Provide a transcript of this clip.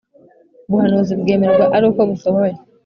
Ubuhanuzi bwemerwa aruko busohoye